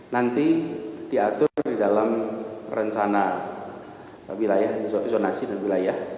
nanti diatur di dalam rencana wilayah zonasi dan wilayah